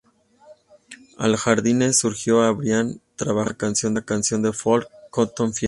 Al Jardine sugirió a Brian trabajar en una canción de "folk" "Cotton Fields".